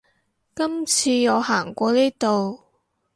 每次我行過呢度